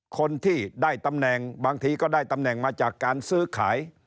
คนที่ได้ตำแหน่งบางทีก็ได้ตำแหน่งมาจากการซื้อขาย